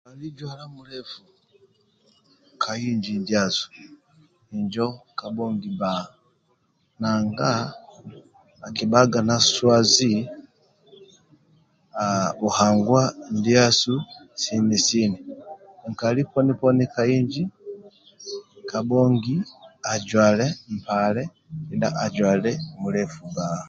nkali jwala mulefu ka inji ndiasu injo kabongi ba nanga akibaka na swazi buhanguwa ndiasu sini sini nkala poni poni ka inji kabongi ojwale mpale kedha ajwale mulefu ba